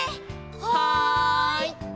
はい！